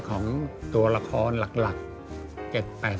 โปรดติดตามต่อไป